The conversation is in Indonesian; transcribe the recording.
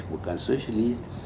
kita bukan sosialis